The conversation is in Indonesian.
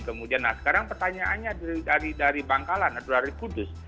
kemudian nah sekarang pertanyaannya dari bangkalan atau dari kudus